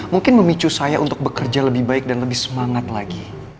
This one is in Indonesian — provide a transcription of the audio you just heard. mungkin memicu saya untuk bekerja lebih baik dan lebih semangat lagi